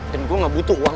dan gue gak butuh uang